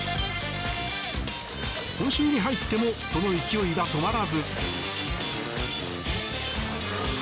今週に入ってもその勢いは止まらず。